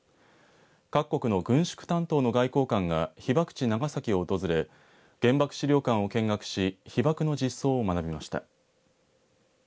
各国の軍縮担当の外交官が被爆地、長崎を訪れ原爆資料館を見学し被爆の実相を学びました。